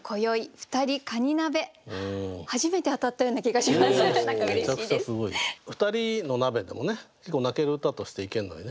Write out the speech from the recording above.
ふたりの鍋でもね結構泣ける歌としていけんのにね